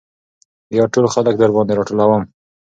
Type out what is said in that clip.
يا ټول خلک درباندې راټولم .